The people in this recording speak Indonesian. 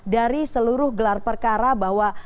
dari seluruh gelar perkara bahwa